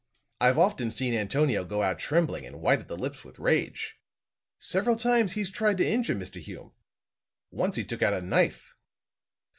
I've often seen Antonio go out trembling and white at the lips with rage. Several times he's tried to injure Mr. Hume once he took out a knife."